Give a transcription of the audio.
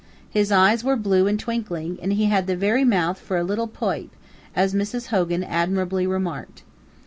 His eyes were blue and twinkling, and he had the very mouth "fer a leetle poipe," as Mrs. Hogan admiringly remarked.